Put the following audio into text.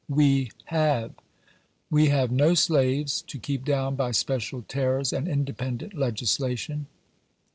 WE HAVE. We have no slaves to keep down by special terrors and independent legislation.